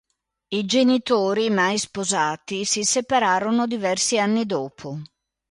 I genitori, mai sposati, si separarono diversi anni dopo.